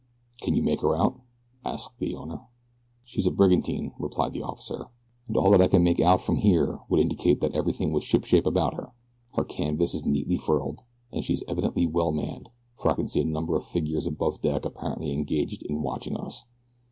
"Can you make her out?" asked the owner. "She's a brigantine," replied the officer, "and all that I can make out from here would indicate that everything was shipshape about her. Her canvas is neatly furled, and she is evidently well manned, for I can see a number of figures above deck apparently engaged in watching us.